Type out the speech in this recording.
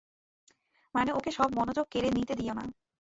মানে ওকে সব মনোযোগ কেড়ে নিতে দিও না।